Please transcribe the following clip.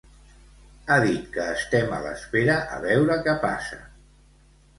Ha dit que estem a l'espera a veure què passa.